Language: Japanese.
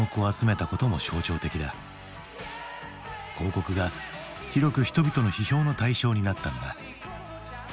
広告が広く人々の批評の対象になったのだ。